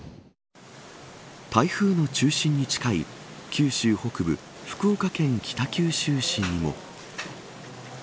台風の中心に近い九州北部福岡県北九州市にも。